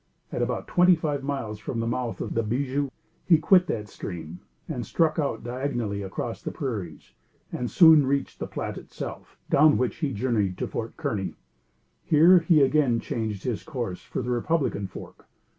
At about twenty five miles from the mouth of the Bijoux, he quit that stream, and struck out diagonally across the prairies, and soon reached the Platte itself, down which he journeyed to Fort Kearney. Here he again changed his course for the Republican Fork.